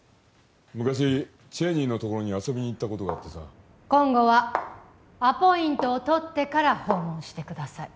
昔 ＣＨＡＹＮＥＹ のところに遊びに行ったことがあってさ今後はアポイントを取ってから訪問してください